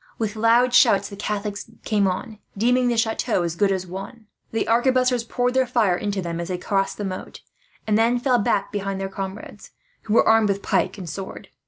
With loud shouts the Catholics came on, deeming the chateau as good as won. The arquebusiers poured their fire into them as they crossed the moat, and then fell back behind their comrades, who were armed with pike and sword.